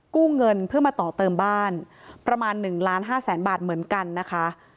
กู้เงินเพื่อมาต่อเติมบ้านประมาณ๑ล้านห้าแสนบาทเหมือนกันนะคะ